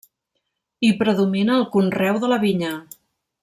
Hi predomina el conreu de la vinya.